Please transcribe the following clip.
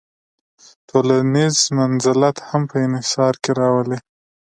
ټولنیز منزلت هم په انحصار کې راولي.